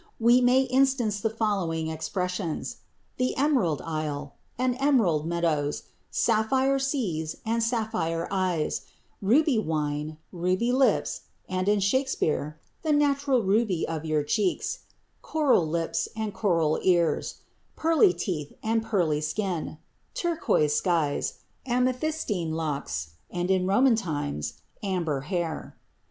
We may instance the following expressions: the "Emerald Isle" and "emerald meadows"; "sapphire seas" and "sapphire eyes"; "ruby wine," "ruby lips," and, in Shakespeare, "the natural ruby of your cheeks"; "coral lips" and "coral ears"; "pearly teeth" and "pearly skin"; "turquoise skies"; "amethystine locks" and, in Roman times, "amber hair."